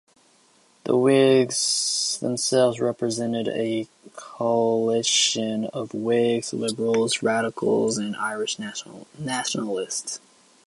The Whigs themselves represented a coalition of Whigs, Liberals, Radicals, and Irish nationalists.